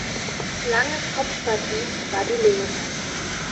Langes Hauptverdienst war die Lehre.